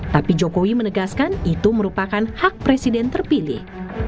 tapi jokowi menegaskan itu merupakan hak presiden terpilih